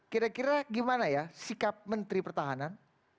kira kira gimana ya sikap menteri pertahanan